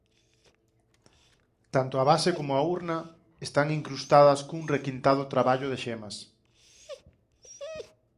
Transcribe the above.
Tanto a base como a urna están incrustadas cun requintado traballo de xemas.